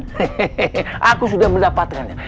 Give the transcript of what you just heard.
hehehe aku sudah mendapatkannya